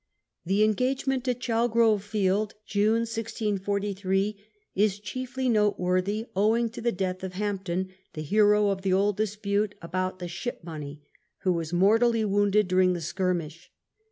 The engagement at Chalgrove Field (June, 1643) is chiefly noteworthy owing to the death of Hampden, the hero of the old dispute about the Ship money, who was mortally wounded during the skirmish.